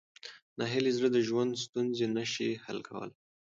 ناهیلي زړه د ژوند ستونزې نه شي حل کولی.